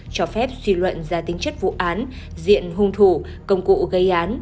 cho phép suy luận ra tính chất vụ án diện hung thủ công cụ gây án